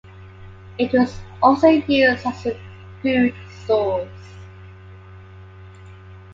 It was also used as a food source.